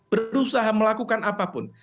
berusaha melakukan apapun